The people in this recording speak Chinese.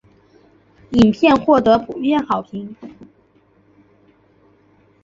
影片获得普遍好评。